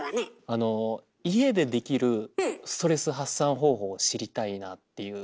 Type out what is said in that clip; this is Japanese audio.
あの家でできるストレス発散方法を知りたいなっていう。